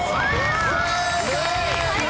正解！